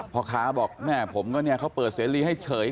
พอค้าบอกแม่ผมเขาเปิดเสร็จให้เฉย